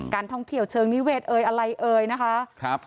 ท่องเที่ยวเชิงนิเวศเอยอะไรเอ่ยนะคะครับ